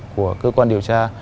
của cơ quan điều tra